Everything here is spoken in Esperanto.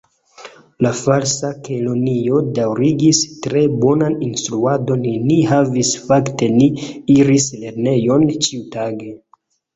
La Falsa Kelonio daŭrigis: "Tre bonan instruadon ni havis; fakte, ni iris lernejon ĉiutage"